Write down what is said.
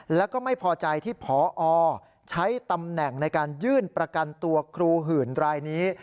แล้วก็ไม่พอใจที่พอใช้ตำแหน่งในการยื่นประกันตัวครูหื่นรายนี้